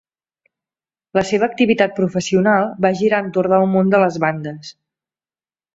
La seva activitat professional va girar entorn del món de les bandes.